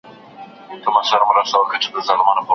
د ارغند خاوري به مي رانجه وي